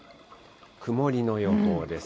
曇りの予報です。